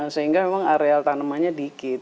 sehingga memang areal tanamannya dikit